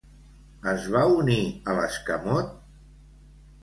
Es va unir a l'escamot?